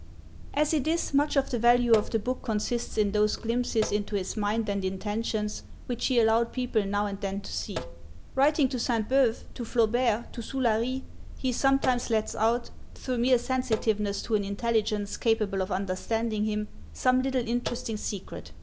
As it is, much of the value of the book consists in those glimpses into his mind and intentions which he allowed people now and then to see. Writing to Sainte Beuve, to Flaubert, to Soulary, he sometimes lets out, through mere sensitiveness to an intelligence capable of understanding him, some little interesting secret.